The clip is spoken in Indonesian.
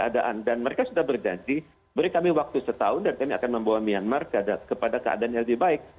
dan mereka sudah berganti beri kami waktu setahun dan kami akan membawa myanmar ke keadaan yang lebih baik